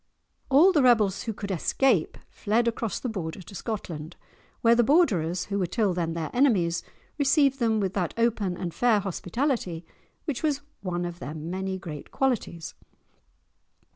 All the rebels who could escape fled across the Border to Scotland, where the Borderers, who were till then their enemies, received them with that open and fair hospitality which was one of their many great qualities.